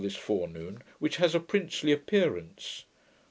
] this forenoon, which has a princely appearance.